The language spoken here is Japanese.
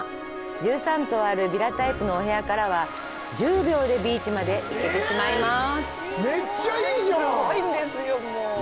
１３棟あるヴィラタイプのお部屋からは１０秒でビーチまで行けてしまいます。